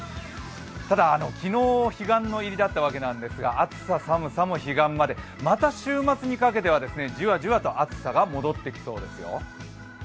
ただ、昨日彼岸の入りだったわけなんですが暑さ寒さも彼岸まで、また週末にかけてはじわじわと暑さが戻ってきそうですよ。